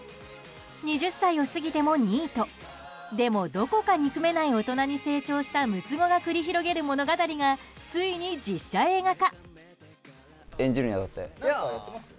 ２０歳を過ぎてもニートでもどこか憎めない大人に成長した六つ子が繰り広げる物語がついに実写映画化。